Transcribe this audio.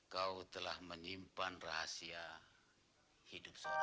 kau telah menyimpan rahasia hidup saudara